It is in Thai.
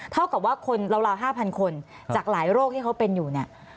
เท่ากับว่าคนราว๕๐๐คนจากหลายโรคที่เขาเป็นอยู่เนี่ย